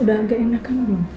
udah agak enak kan bu